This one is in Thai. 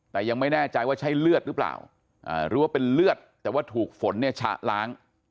แต่ยังไม่แน่ใจว่าใช่เลือดหรือเปล่าหรือว่าเป็นเลือดแต่ว่าถูกฝนเนี่ยฉะล้าง